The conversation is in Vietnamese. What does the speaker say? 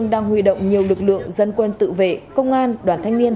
dân quân tự vệ công an đoàn thanh niên